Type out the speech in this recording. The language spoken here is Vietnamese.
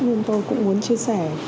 nên tôi cũng muốn chia sẻ